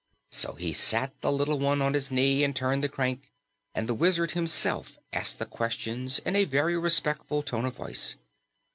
So he sat the little one on his knee and turned the crank, and the Wizard himself asked the questions in a very respectful tone of voice.